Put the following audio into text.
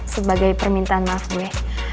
sebagai permintaan maaf gue